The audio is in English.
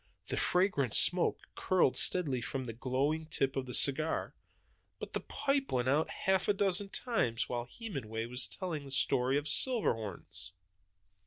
The fragrant smoke curled steadily from the glowing tip of the cigar; but the pipe went out half a dozen times while Hemenway was telling the story of Silverhorns.